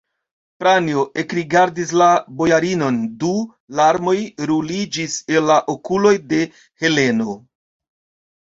Pranjo ekrigardis la bojarinon: du larmoj ruliĝis el la okuloj de Heleno.